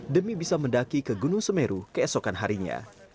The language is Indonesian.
demi bisa mendaki ke gunung semeru keesokan harinya